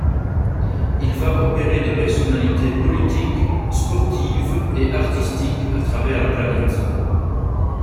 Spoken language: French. Il va opérer des personnalités politiques, sportives et artistiques à travers la planète.